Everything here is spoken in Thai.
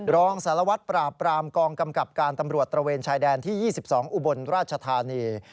รองสารวัตรปราบปรามกองกำกับการตำรวจตระเวนชายแดนที่๒๒อุบลราชธานี